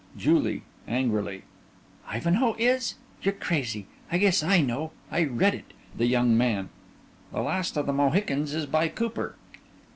JULIE: (Angrily) "Ivanhoe" is? You're crazy! I guess I know. I read it. THE YOUNG MAN: "The Last of the Mohicans" is by Cooper.